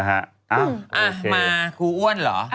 มาครูอ้วนเหรอ